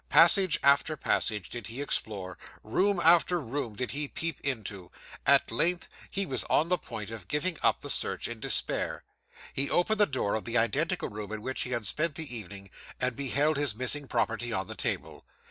Passage after passage did he explore; room after room did he peep into; at length, as he was on the point of giving up the search in despair, he opened the door of the identical room in which he had spent the evening, and beheld his missing property on the table.